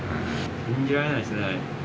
信じられないですね。